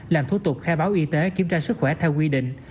làm thủ tục khai báo y tế kiểm tra sức khỏe theo quy định